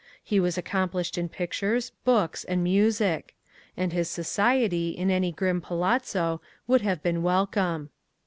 He was accomplished in pictures, books, and music; and his society, in any grim palazzo, would have been welcome.